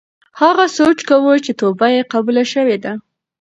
هغه سوچ کاوه چې توبه یې قبوله شوې ده.